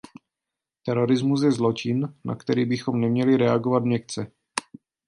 Terorismus je zločin, na který bychom neměli reagovat měkce.